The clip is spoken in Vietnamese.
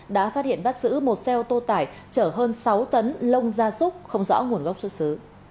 đã phát hiện bắt giữ một xe ô tô tải chở hơn sáu tấn lông gia súc không rõ nguồn gốc xuất xứ